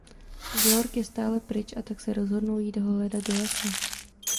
Georg je stále pryč a tak se rozhodnou jít ho hledat do lesa.